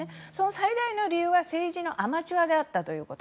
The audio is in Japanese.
最大の理由は政治のアマチュアだったということ。